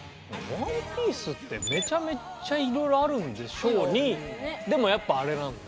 「ＯＮＥＰＩＥＣＥ」ってめちゃめちゃいろいろあるんでしょうにでもやっぱあれなんだ。